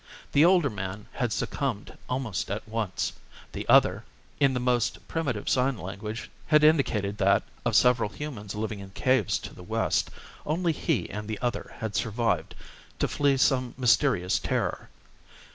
The older man had succumbed almost at once; the other, in the most primitive sign language, had indicated that, of several humans living in caves to the west, only he and the other had survived to flee some mysterious terror.